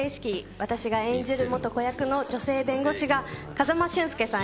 私が演じる元子役の女性弁護士が、風間俊介さん